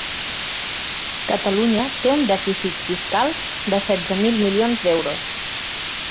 Catalunya té un dèficit fiscal de setze mil milions d’euros.